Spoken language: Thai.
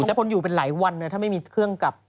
แต่คนอยู่เป็นหลายวันถ้าไม่มีเครื่องกลับ